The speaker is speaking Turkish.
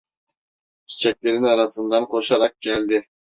Çiçeklerin arasından koşarak geldi.